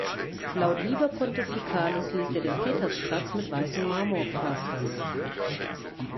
Laut Liber Pontificalis ließ er den Petersplatz mit weißem Marmor pflastern.